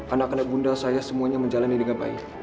anak anak bunda saya semuanya menjalani dengan baik